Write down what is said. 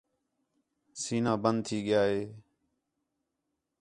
سِینہ بند تھی ڳِیا ہِے